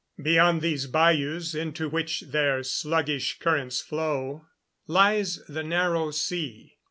Beyond these bayous, into which their sluggish currents flow, lies the Narrow Sea.